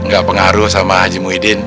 gak pengaruh sama haji muhyiddin